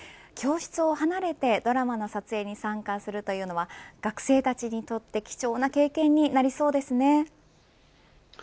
教室を離れてドラマの撮影に参加するというのは学生たちにとって貴重な経験になりそうですね。